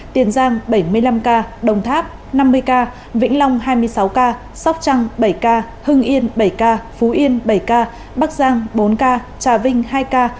tiền giang bảy mươi năm ca đồng tháp năm mươi ca vĩnh long hai mươi sáu ca sóc trăng bảy ca hưng yên bảy ca phú yên bảy ca bắc giang bốn ca trà vinh hai ca